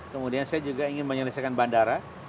kemudian saya juga ingin menyelesaikan bandara